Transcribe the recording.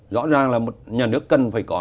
rõ ràng là nhà nước cần phải có